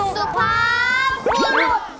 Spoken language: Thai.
สุภาพผู้หลุดสุดสาร